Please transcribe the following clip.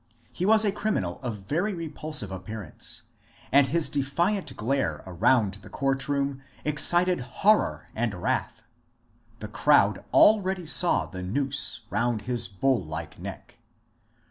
He was a criminal of very repulsive appearance, and his defiant glare around the court room excited horror and wrath. The crowd already saw the noose round his bull like neck.